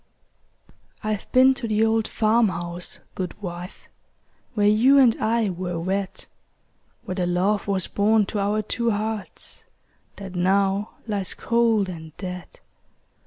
I've been to the old farm house, good wife, Where you and I were wed; Where the love was born to our two hearts That now lies cold and dead.